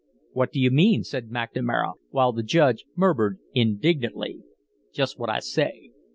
"What do you mean?" said McNamara, while the Judge murmured indignantly. "Just what I say.